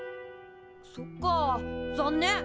そっか残念。